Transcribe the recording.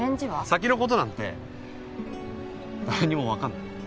先の事なんて誰にもわかんない。